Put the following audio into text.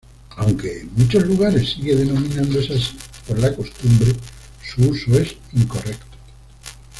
Aunque en muchos lugares sigue denominándose así por la costumbre, su uso es incorrecto.